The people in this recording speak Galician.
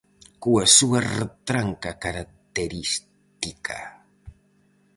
Coa súa retranca característica.